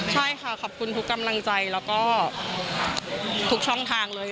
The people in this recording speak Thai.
ใช่ค่ะขอบคุณทุกกำลังใจแล้วก็ทุกช่องทางเลย